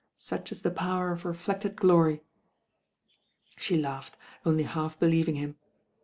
Such is the power of reflected glory." She laughed, only half believing him.